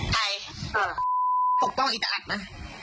ใครปกป้องอีกตะอัดป่ะ